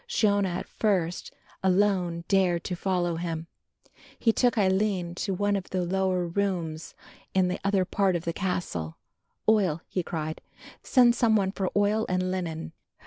Shiona, at first, alone dared to follow him. He took Aline to one of the lower rooms in the other part of the castle. "Oil," he cried, "send some one for oil and linen."